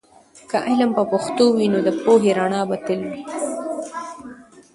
که علم په پښتو وي، نو د پوهې رڼا به تل وي.